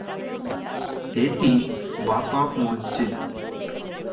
এটি ওয়াকফ মসজিদ।